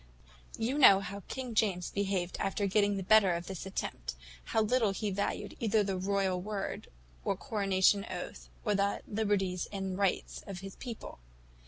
You know how King James behaved after getting the better of this attempt; how little he valued either his royal word, or coronation oath, or the liberties and rights of his people.